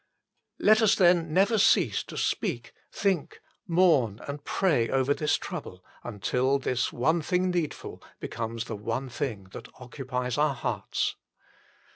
Let us then never cease to speak, think, mourn, and pray over this trouble until this " one thing needful " becomes the one thing that occupies our hearts.